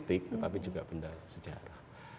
tetapi juga benda sejarah